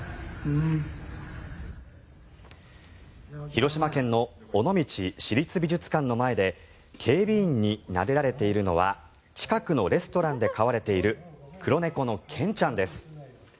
広島県の尾道市立美術館の前で警備員になでられているのは近くのレストランで飼われている黒猫のケンちゃんです。